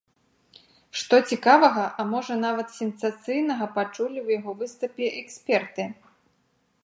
Што цікавага, а можа, нават сенсацыйнага пачулі ў яго выступе эксперты?